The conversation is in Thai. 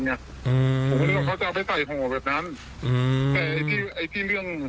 ผมไม่รู้เขาจะเอาไปใส่ห่อแบบนั้นอืมแต่ไอ้ที่ไอ้ที่เรื่อง